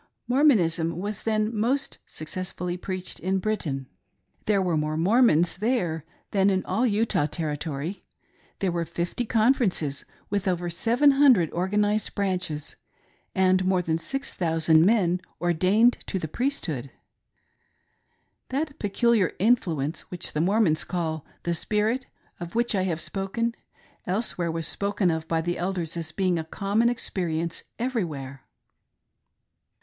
Mormon ism was then most successfully preached in Britain. There HOW they kept the secret. Ill were more Mormons there than in all Utah Territory : there were fifty Conferences, with over seven hundred organised "Branches," and more than six thousand men ordained to the priesthood. That peculiar influence which th€ Mormons call " the Spirit," of which I have spoken, elsewhere, was spoken of by the Elders as being a common experience every where.